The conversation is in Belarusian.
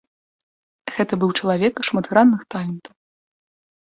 Гэта быў чалавек шматгранных талентаў.